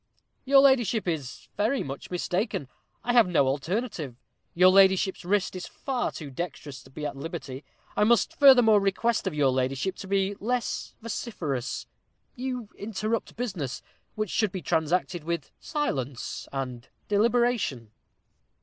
"Your ladyship is very much mistaken I have no alternative your ladyship's wrist is far too dexterous to be at liberty. I must furthermore request of your ladyship to be less vociferous you interrupt business, which should be transacted with silence and deliberation."